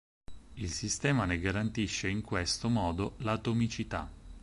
Il sistema ne garantisce in questo modo l"'atomicità".